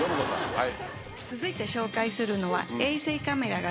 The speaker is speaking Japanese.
はい。